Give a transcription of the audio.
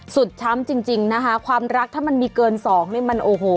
สุดท้ำจริงนะคะความรักท่ามันมีเกินสองนี่มันโอโห